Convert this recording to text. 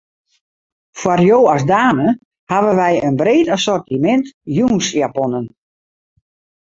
Foar jo as dame hawwe wy in breed assortimint jûnsjaponnen.